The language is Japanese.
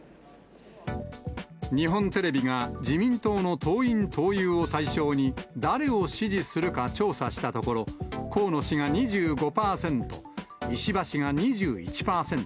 日本テレビが自民党の党員・党友を対象に、誰を支持するか調査したところ、河野氏が２５％、石破氏が２１％。